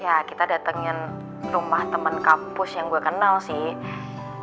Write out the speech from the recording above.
ya kita datengin rumah temen kampus yang gue kenal sih